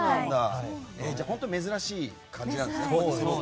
本当に珍しい感じなんだね。